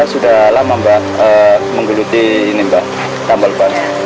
sudah berapa tahun